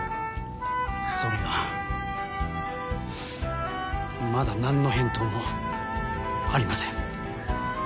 それがまだ何の返答もありません。